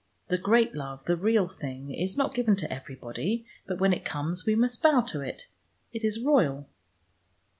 The great love, the real thing, is not given to everybody. But when it comes, we must bow to it.... It is royal."